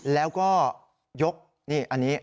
แล้วก็ยกนี่อันนี้